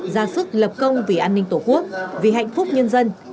ra sức lập công vì an ninh tổ quốc vì hạnh phúc nhân dân